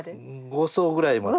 ５層ぐらいまで。